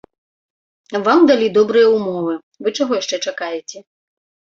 Вам далі добрыя ўмовы, вы чаго яшчэ чакаеце?